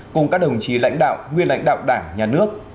cùng các đồng chí lãnh đạo nguyên lãnh đạo đảng nhà nước